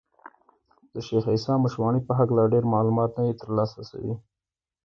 د شېخ عیسي مشواڼي په هکله ډېر معلومات نه دي تر لاسه سوي دي.